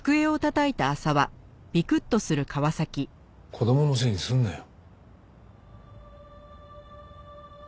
子供のせいにするなよ。